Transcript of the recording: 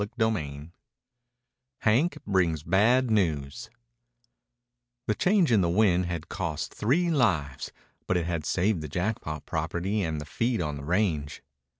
CHAPTER XLI HANK BRINGS BAD NEWS The change in the wind had cost three lives, but it had saved the Jackpot property and the feed on the range.